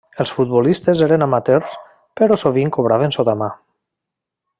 Els futbolistes eren amateurs però sovint cobraven sota mà.